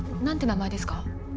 何て名前ですか？